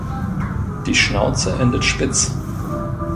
Die „Schnauze“ endet spitz.